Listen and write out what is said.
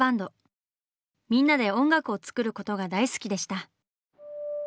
みんなで音楽を作ることが大好きでした。